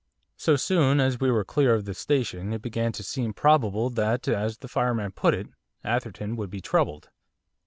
So soon as we were clear of the station it began to seem probable that, as the fireman put it, Atherton would be 'troubled.